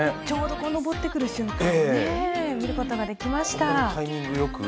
ちょうど昇ってくる瞬間を見ることができました。